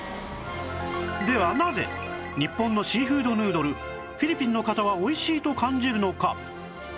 ではなぜ日本のシーフードヌードルフィリピンの方はおいしいと感じるのか？